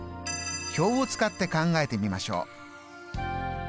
表を使って考えてみましょう。